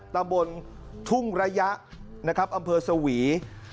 ตำบลทุ่งระยะนะครับอำเภอสวี